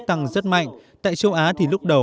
tăng rất mạnh tại châu á thì lúc đầu